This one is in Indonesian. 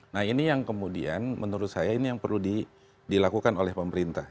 nah ini yang kemudian menurut saya ini yang perlu dilakukan oleh pemerintah